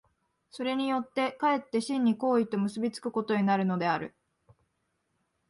それによって却って真に行為と結び付くことになるのである。